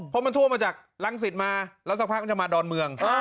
เพราะมันท่วมมาจากรังสิตมาแล้วสักพักมันจะมาดอนเมือง